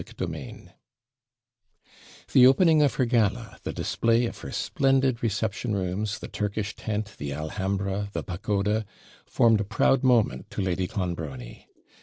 CHAPTER III The opening of her gala, the display of her splendid reception rooms, the Turkish tent, the Alhambra, the pagoda, formed a proud moment to Lady Clonbrony.